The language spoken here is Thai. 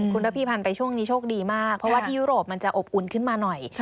คุณระพิพันธ์ไปช่วงนี้โชคดีมากเพราะว่าที่ยุโรปมันจะอบอุ่นขึ้นมาหน่อย